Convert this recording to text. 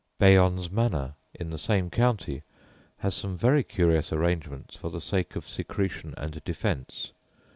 Bayons Manor, in the same county, has some very curious arrangements for the sake of secretion and defence.